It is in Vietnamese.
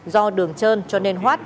do đường trơn cho nên hoát